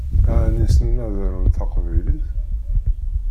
Ɛni ssnen ad arun taqbaylit?